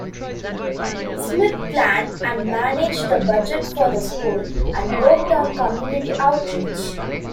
Smith planned and managed the budget for the school, and worked on community outreach.